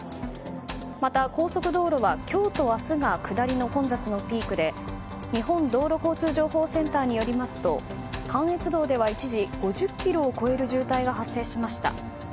また高速道路は今日と明日が下りの混雑のピークで日本道路交通情報センターによりますと関越道では一時５０ｋｍを超える渋滞が発生しました。